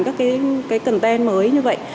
các cái content mới như vậy